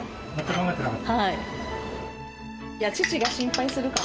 はい。